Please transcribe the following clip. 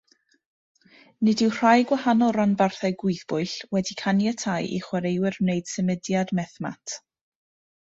Nid yw rhai gwahanol ranbarthau gwyddbwyll wedi caniatáu i chwaraewyr wneud symudiad methmat.